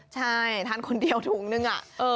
ใช่ทานคนเดียวถุงนึง